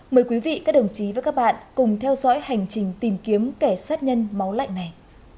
mời quý vị và các bạn cùng theo dõi hành trình tìm kiếm kẻ sát nhân máu lạnh này